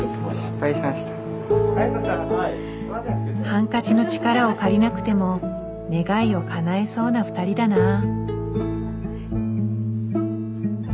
ハンカチの力を借りなくても願いをかなえそうな２人だなぁ。